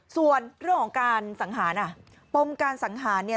ส่วนเรื่องของการสังหารอ่ะปมการสังหารเนี่ย